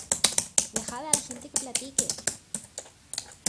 ¡ dejad a la gente que platique!